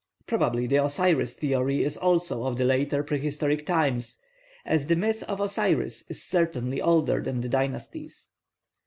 Probably the Osiris theory is also of the later prehistoric times, as the myth of Osiris is certainly older than the dynasties.